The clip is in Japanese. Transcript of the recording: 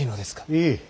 いい。